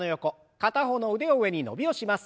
片方の腕を上に伸びをします。